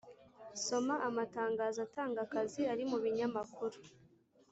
Soma amatangazo atanga akazi ari mu binyamakuru